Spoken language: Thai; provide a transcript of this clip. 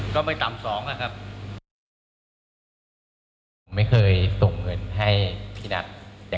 ตอนนี้ยังอยู่ระหว่างรวมหลักฐานว่าจะมีนายจตุการณ์นี้หรือเปล่า